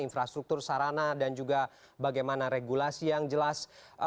infrastruktur sarana dan juga bagaimana regulasi yang jelas